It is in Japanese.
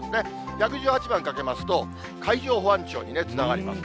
１１８番かけますと、海上保安庁につながります。